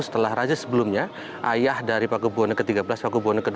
setelah raja sebelumnya ayah dari paku buwono ke tiga belas paku buwono ke dua belas